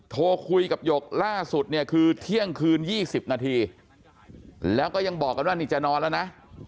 โทรคุยกับหยกล่าสุดเนี่ยคือเที่ยงคืน๒๐นาทีแล้วก็ยังบอกกันว่านี่จะนอนแล้วนะ